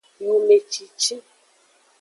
Yumecici.